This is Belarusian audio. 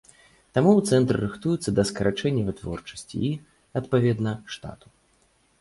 Таму ў цэнтры рыхтуюцца да скарачэння вытворчасці і, адпаведна, штату.